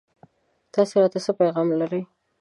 تاسو راته څه پيغام لرئ